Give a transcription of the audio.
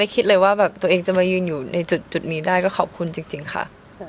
คิดเลยว่าแบบตัวเองจะมายืนอยู่ในจุดนี้ได้ก็ขอบคุณจริงค่ะ